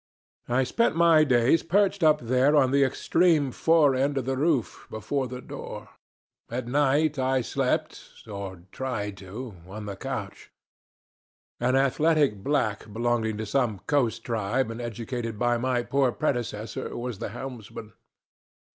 I spent my days perched up there on the extreme fore end of that roof, before the door. At night I slept, or tried to, on the couch. An athletic black belonging to some coast tribe, and educated by my poor predecessor, was the helmsman.